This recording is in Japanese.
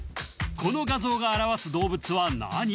この画像が表す動物は何？